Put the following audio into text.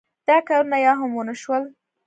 دا کارونه یو هم ونشول.